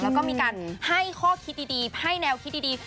แล้วก็มีการให้ข้อคิดดีให้แนวคิดดี